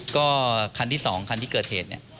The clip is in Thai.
ก็คันที่๒คันที่เกิดเหตุเนี่ย